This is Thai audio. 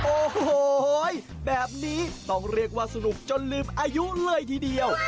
โอ้โหแบบนี้ต้องเรียกว่าสนุกจนลืมอายุเลยทีเดียว